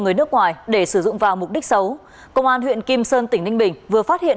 người nước ngoài để sử dụng vào mục đích xấu công an huyện kim sơn tỉnh ninh bình vừa phát hiện